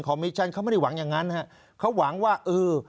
มิชชั่นเขาไม่ได้หวังอย่างนั้นฮะเขาหวังว่าเออ